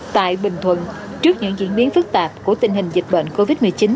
tại bình thuận trước những diễn biến phức tạp của tình hình dịch bệnh covid một mươi chín